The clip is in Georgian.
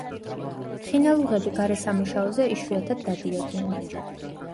ხინალუღები გარესამუშაოზე იშვიათად დადიოდნენ.